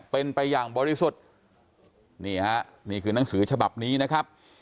เป็นไปอย่างบริสุทธิ์นี่ฮะนี่คือหนังสือฉบับนี้นะครับ